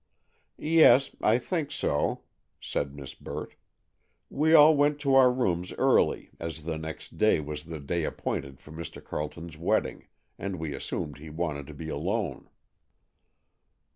"Yes, I think so," said Miss Burt; "we all went to our rooms early, as the next day was the day appointed for Mr. Carleton's wedding, and we assumed he wanted to be alone."